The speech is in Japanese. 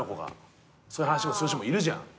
そういう話する人もいるじゃん。